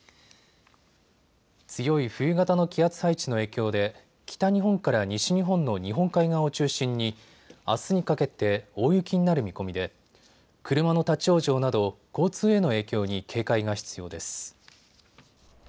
強い冬型の気圧配置の影響で北日本から西日本の日本海側を中心にあすにかけて大雪になる見込みで車の立往生など交通への影響に警戒が必要です。